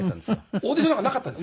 オーディションなんかなかったんですよ。